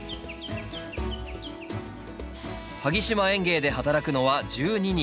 萩島園芸で働くのは１２人。